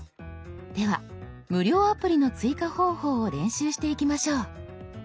では無料アプリの追加方法を練習していきましょう。